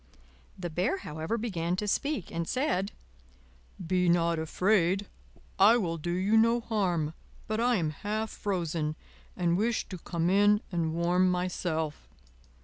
The Bear, however, began to speak, and said: "Be not afraid, I will do you no harm; but I am half frozen, and wish to come in and warm myself."